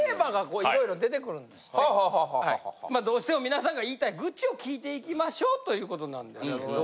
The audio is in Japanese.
あこれはね。どうしても皆さんが言いたいグチを聞いていきましょうという事なんですけど。